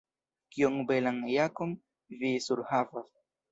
Kiom belan jakon vi surhavas.